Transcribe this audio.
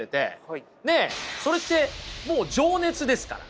ねえそれってもう情熱ですから。